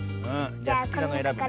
じゃすきなのえらぶね。